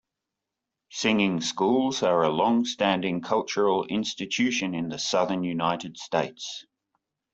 Singing schools are a long-standing cultural institution in the Southern United States.